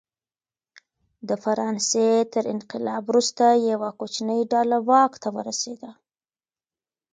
د فرانسې تر انقلاب وروسته یوه کوچنۍ ډله واک ته ورسېده.